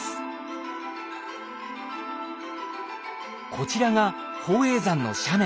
こちらが宝永山の斜面。